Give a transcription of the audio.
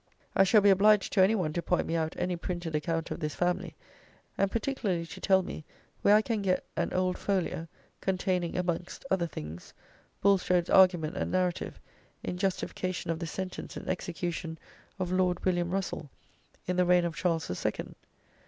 I shall be obliged to any one to point me out any printed account of this family; and particularly to tell me where I can get an old folio, containing (amongst other things) Bulstrode's argument and narrative in justification of the sentence and execution of Lord William Russell, in the reign of Charles the Second.